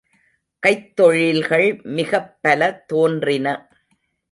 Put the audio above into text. கைத்தொழில்கள் மிகப் பல தோன்றின.